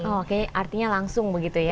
oke artinya langsung begitu ya